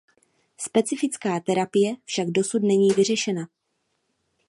Specifická terapie však dosud není vyřešena.